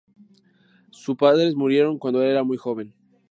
Sus padres murieron cuando era muy joven.